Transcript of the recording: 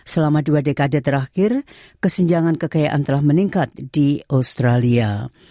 selama dua dekade terakhir kesenjangan kekayaan telah meningkat di australia